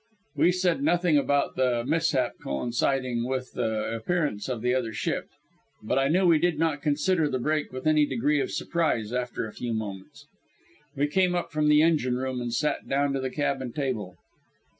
We said nothing about the mishap coinciding with the appearance of the Other Ship. But I know we did not consider the break with any degree of surprise after a few moments. We came up from the engine room and sat down to the cabin table.